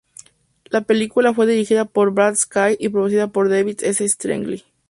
La película fue dirigida por Brad Sykes y producida por David S. Sterling.